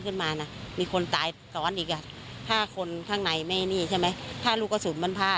ออกไปแล้วถ้าคนข้างในในนี่ใช่ไหมถ้าลูกสุลมันพอดอ่ะ